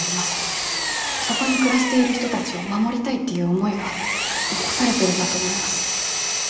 そこに暮らしている人たちを守りたいっていう思いが残されてるんだと思います。